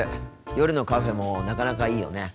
夜のカフェもなかなかいいよね。